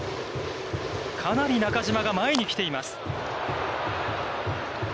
かなり中島が前に来ています。